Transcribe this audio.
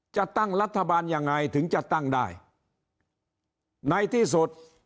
จะตั้งรัฐบาลยังไงถึงจะตั้งได้ในที่สุด